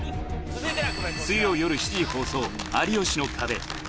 水曜夜７時放送、有吉の壁。